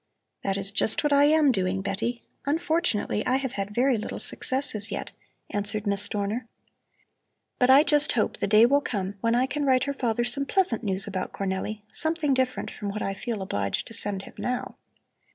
"That is just what I am doing, Betty. Unfortunately, I have had very little success as yet," answered Miss Dorner. "But I just hope that the day will come when I can write her father some pleasant news about Cornelli, something different from what I feel obliged to send him now."